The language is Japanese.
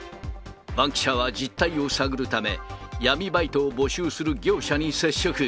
バンキシャは実態を探るため、闇バイトを募集する業者に接触。